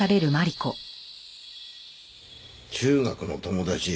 中学の友達。